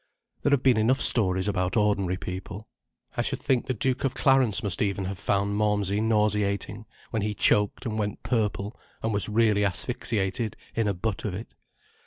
There have been enough stories about ordinary people. I should think the Duke of Clarence must even have found malmsey nauseating, when he choked and went purple and was really asphyxiated in a butt of it.